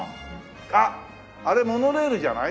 あっあれモノレールじゃない？